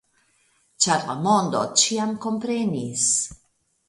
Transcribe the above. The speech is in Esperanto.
Ĉar la mondo ĉiam komprenis.